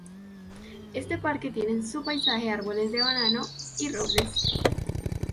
Este parque tiene en su paisaje árboles de banano, y robles.